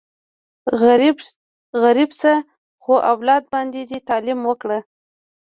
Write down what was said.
غریب شه، خو اولاد باندې دې تعلیم وکړه!